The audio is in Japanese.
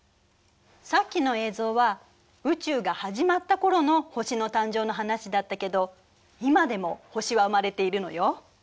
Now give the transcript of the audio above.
さっきの映像は宇宙が始まった頃の星の誕生の話だったけど今でも星は生まれているのよ。